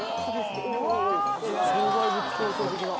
障害物競走的な。